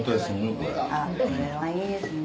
これはいいですね。